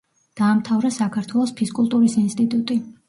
დაამთავრა საქართველოს ფიზკულტურის ინსტიტუტი.